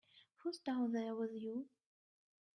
Who's down there with you?